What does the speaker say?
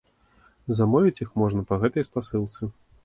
Замовіць іх можна па гэтай спасылцы.